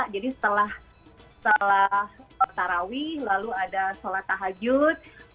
jadi setelah tarawi lalu ada solat tahajud